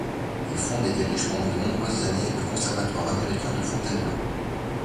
Il fonde et dirige pendant de nombreuses années le Conservatoire américain de Fontainebleau.